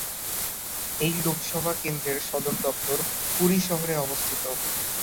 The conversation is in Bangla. এই লোকসভা কেন্দ্রর সদর দফতর পুরী শহরে অবস্থিত।